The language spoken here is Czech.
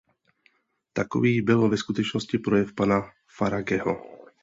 Takový byl ve skutečnosti projev pana Farageho.